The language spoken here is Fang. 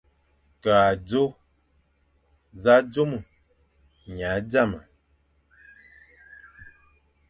Ke azôe, nẑa zôme, nya zame,